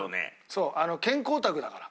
そう健康オタクだから。